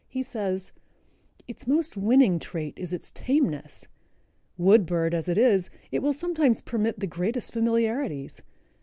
He says: "Its most winning trait is its tameness. Wood bird as it is, it will sometimes permit the greatest familiarities.